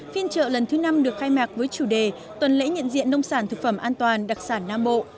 phiên trợ lần thứ năm được khai mạc với chủ đề tuần lễ nhận diện nông sản thực phẩm an toàn đặc sản nam bộ